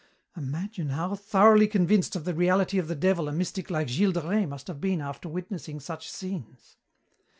"Imagine how thoroughly convinced of the reality of the Devil a mystic like Gilles de Rais must have been after witnessing such scenes!